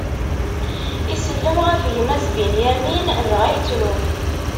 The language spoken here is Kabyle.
Isellem ɣef gma-s Binyamin, dɣa ittru.